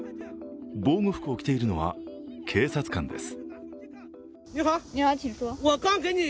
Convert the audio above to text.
防護服を着ているのは警察官です。